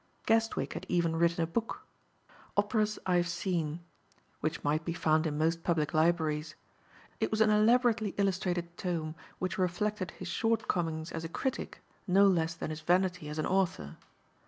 Guestwick had even written a book, "Operas I Have Seen," which might be found in most public libraries. It was an elaborately illustrated tome which reflected his shortcomings as a critic no less than his vanity as an author.